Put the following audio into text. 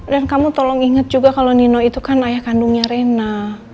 dan kamu tolong inget juga kalau nino itu kan ayah kandungnya rena